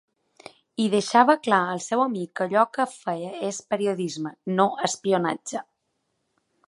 I deixava clar al seu amic que allò que feia és periodisme, no espionatge.